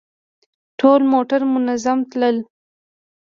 ټول موټر منظم تلل.